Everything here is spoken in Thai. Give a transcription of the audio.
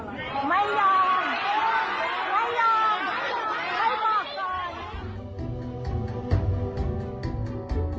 ไม่ยอมไม่ยอมไม่ยอมไม่บอกก่อน